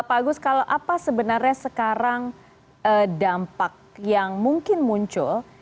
pak agus kalau apa sebenarnya sekarang dampak yang mungkin muncul